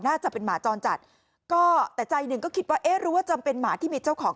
น่าจะเป็นหมาจรจัดก็แต่ใจหนึ่งก็คิดว่าเอ๊ะรู้ว่าจำเป็นหมาที่มีเจ้าของ